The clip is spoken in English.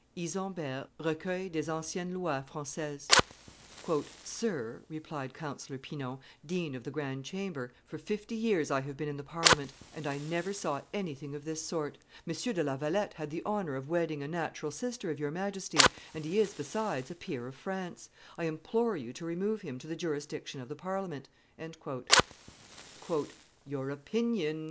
[Isambert, Recueil des anciennes Lois Francaises, t. xvi.] "Sir," replied Counsellor Pinon, dean of the grand chamber, "for fifty years I have been in the Parliament, and I never saw anything of this sort; M. de La Valette had the honor of wedding a natural sister of your Majesty, and he is, besides, a peer of France; I implore you to remove him to the jurisdiction of the Parliament." "Your opinion!"